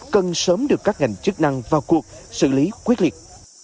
cần sớm được các ngành chức năng vào cuộc xử lý quyết liệt